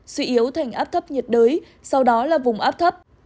suy yếu thành áp thấp nhiệt đới sau đó là vùng áp thấp